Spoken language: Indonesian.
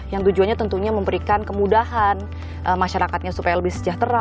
yang tujuannya tentunya memberikan kemudahan masyarakatnya supaya lebih sejahtera